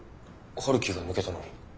陽樹が抜けたのに？